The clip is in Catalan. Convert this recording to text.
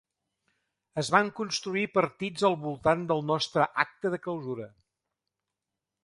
Es van construir partits al voltant del nostre acte de clausura.